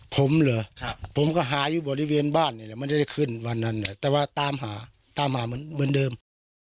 ผมเหรอผมก็หาอยู่บริเวณบ้านไม่ได้ขึ้นวันนั้นแต่ว่าตามหาเหมือนเดิม